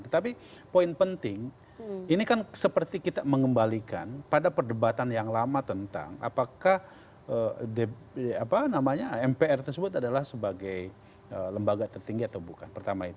tetapi poin penting ini kan seperti kita mengembalikan pada perdebatan yang lama tentang apakah mpr tersebut adalah sebagai lembaga tertinggi atau bukan pertama itu